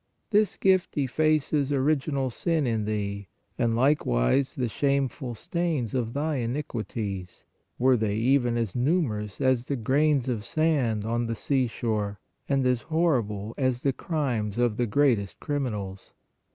This gift effaces original sin in thee, and likewise the shameful stains of thy iniquities, were they even as numerous as the grains of sand on the sea shore, and as horrible as the crimes of the great est criminals